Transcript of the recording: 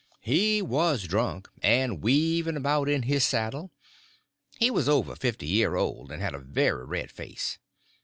He was drunk, and weaving about in his saddle; he was over fifty year old, and had a very red face.